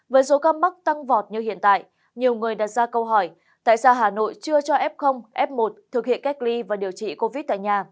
với số ca mắc tăng vọt như hiện tại nhiều người đặt ra câu hỏi tại sao hà nội chưa cho f f một thực hiện cách ly và điều trị covid tại nhà